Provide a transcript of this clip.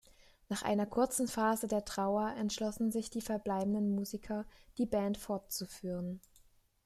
Nach einer kurzen Phase der Trauer entschlossen sich die verbliebenen Musiker, die Band fortzuführen.